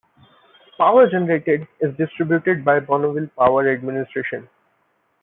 Power generated is distributed by the Bonneville Power Administration.